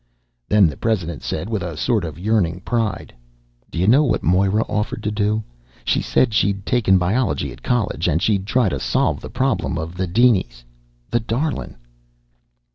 Then the president said with a sort of yearning pride: "D'ye know what Moira offered to do? She said she'd taken biology at college, and she'd try to solve the problem of the dinies. The darlin'!"